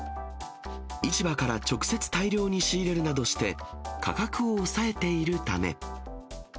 市場から直接大量に仕入れるなどして、価格を抑えているため。